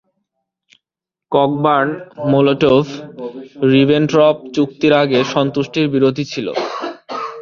Cockburn মোলোটোভ-রিবেন্ট্রপ চুক্তির আগে সন্তুষ্টির বিরোধী ছিলেন।